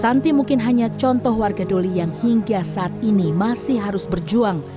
santi mungkin hanya contoh warga doli yang hingga saat ini masih harus berjuang